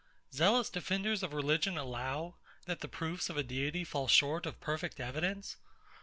Zealous defenders of religion allow, that the proofs of a Deity fall short of perfect evidence!